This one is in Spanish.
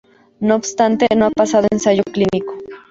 No obstante, no ha pasado del ensayo clínico.